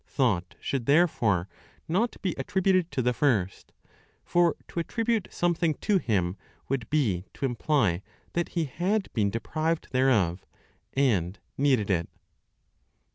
Thought should therefore not be attributed to the First; for, to attribute something to Him would be to imply that He had been deprived thereof, and needed it.